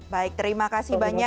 baik terima kasih banyak